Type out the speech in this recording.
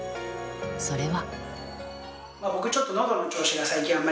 それは。